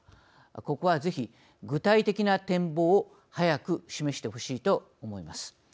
ここは、ぜひ具体的な展望を早く示してほしいと思います。